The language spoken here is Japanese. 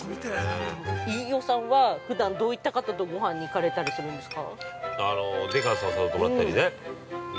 ◆飯尾さんはふだんどういった方とごはんに行かれたりするんですか。